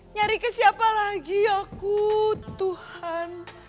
nyari ke siapa lagi aku tuhan